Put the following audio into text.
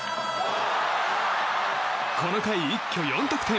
この回、一挙４得点。